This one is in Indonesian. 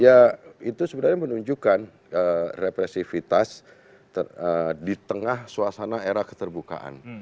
ya itu sebenarnya menunjukkan represifitas di tengah suasana era keterbukaan